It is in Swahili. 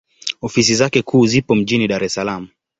Ofisi zake kuu zipo mjini Dar es Salaam.